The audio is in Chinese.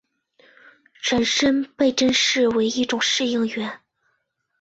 人参被珍视为一种适应原。